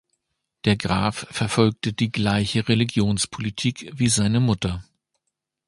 Der Graf verfolgte die gleiche Religionspolitik wie seine Mutter.